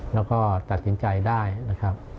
แล้วก็ตัดสินใจได้นะครับ